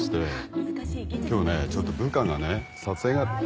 今日ねちょっと部下がね撮影があって。